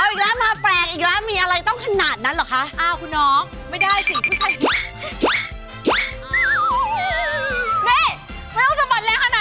เอาอีกแล้วมาแปลกอีกแล้วมีอะไรต้องขนาดนั้นเหรอคะ